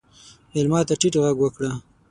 مېلمه ته ټیټ غږ وکړه.